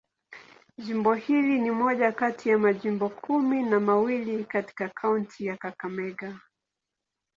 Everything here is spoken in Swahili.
Jimbo hili ni moja kati ya majimbo kumi na mawili katika kaunti ya Kakamega.